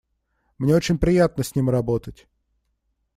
Мне очень приятно с ним работать.